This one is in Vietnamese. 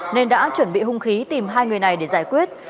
nên đã chuẩn bị hung khí tìm hai người này để giải quyết